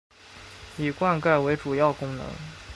以灌溉为主要功能。